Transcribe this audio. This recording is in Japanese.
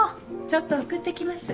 ちょっと送って来ます。